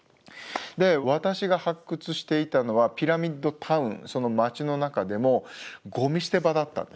私が発掘していたのはピラミッド・タウンその町の中でもゴミ捨て場だったんですね。